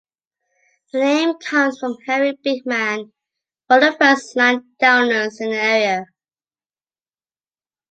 The name comes from Henri Beekman, one of the first landowners in the area.